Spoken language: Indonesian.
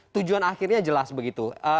tujuan akhirnya jelas begitu